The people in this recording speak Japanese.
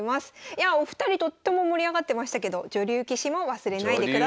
いやお二人とっても盛り上がってましたけど女流棋士も忘れないでください。